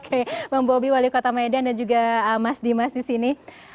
oke bang bobi wali kota medan dan juga mas dimas di sini